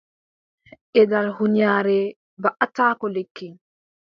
Geɗal hunyaare waʼataako lekki.